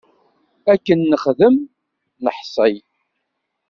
Akken nexdem, neḥṣel.